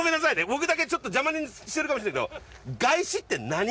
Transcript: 僕だけちょっと邪魔してるかもしれないけどガイシって何？